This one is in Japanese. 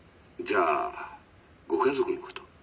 「じゃあご家族のこと？」。